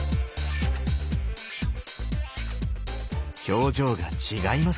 表情が違いますね。